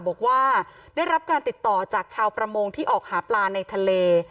บอกว่าได้รับการติดต่อจากชาวประมงที่ออกหาปลาในทะเล